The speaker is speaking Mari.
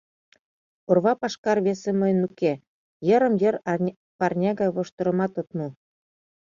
Орвапашкар весе мыйын уке, йырым-йыр парня гай воштырымат от му!